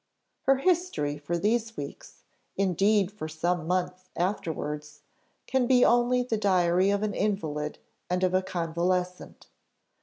Her history for these weeks indeed for some months afterwards can be only the diary of an invalid and of a convalescent.